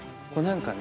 何かね